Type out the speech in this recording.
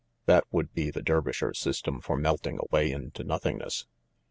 That would be the Dervisher system for melting away into nothingness.